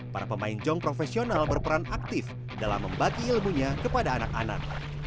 para pemain jong profesional berperan aktif dalam membagi ilmunya kepada anak anak